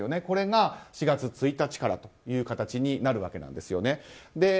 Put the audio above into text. これが４月１日からという形になるわけです。